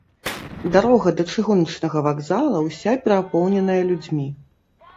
Дарога да чыгуначнага вакзала ўся перапоўненая людзьмі.